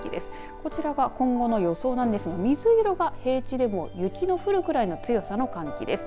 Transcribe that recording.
こちらが今後の予想なんですが水色が平地でも雪が降るぐらいの強さの寒気です。